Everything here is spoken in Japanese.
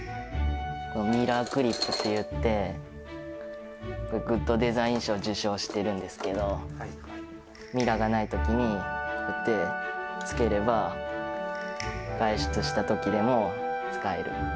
ミラークリップっていって、グッドデザイン賞を受賞してるんですけど、ミラーがないときに、こうやってつければ、外出したときでも使える。